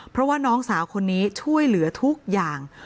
เพราะว่าน้องสาวคนนี้ช่วยเหลือทุกอย่าง